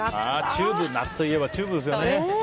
夏といえばＴＵＢＥですよね。